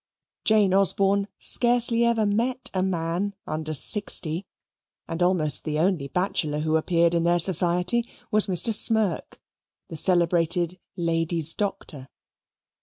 Jane Osborne scarcely ever met a man under sixty, and almost the only bachelor who appeared in their society was Mr. Smirk, the celebrated ladies' doctor.